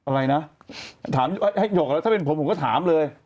อะไรนะหยกแล้วถ้าเป็นผมผมก็ถามเลย